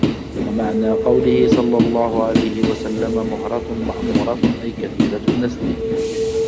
وَمَعْنَى قَوْلِهِ صَلَّى اللَّهُ عَلَيْهِ وَسَلَّمَ مُهْرَةٌ مَأْمُورَةٌ أَيْ كَثِيرَةُ النَّسْلِ